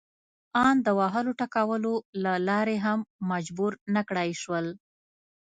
ان د وهلو ټکولو له لارې هم مجبور نه کړای شول.